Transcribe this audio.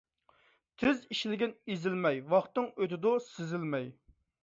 تېز ئىشلىگىن ئېزىلمەي، ۋاقتىڭ ئۆتىدۇ سېزىلمەي.